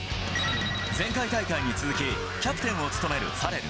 前回大会に続き、キャプテンを務めるファレル。